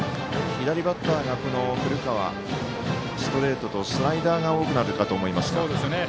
左バッターが古川ストレートとスライダーが多くなるかと思いますが。